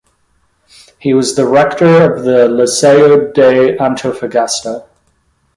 He was the rector of the Liceo de Antofagasta.